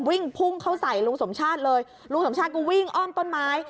วิ่งพุ่งเข้าใส่ลุงสมชาติเลยลุงสมชาติก็วิ่งอ้อมต้นไม้